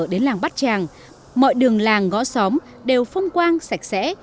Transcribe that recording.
đến làng bát tràng mọi đường làng ngõ xóm đều phong quang sạch sẽ